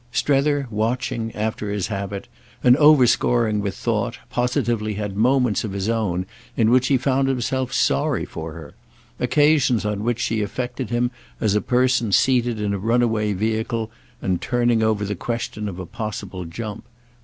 Strether, watching, after his habit, and overscoring with thought, positively had moments of his own in which he found himself sorry for her—occasions on which she affected him as a person seated in a runaway vehicle and turning over the question of a possible jump.